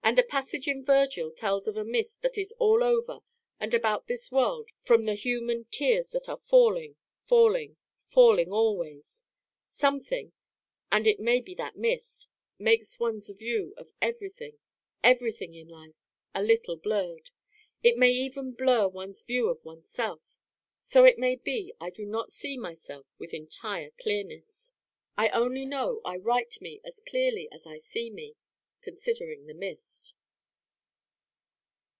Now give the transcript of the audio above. a passage in Vergil tells of a Mist that is all over and about this world from the human 'tears that are falling, falling, falling always.' Something, and it may be that Mist, makes one's view of everything everything in life a little blurred. It may even blur one's view of oneself. So it may be I do not see myself with entire clearness I only know I write me as clearly as I see me, considering the Mist.